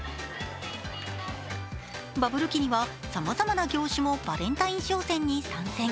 バブル期にはさまざまな業種もバレンタイン商戦に参戦。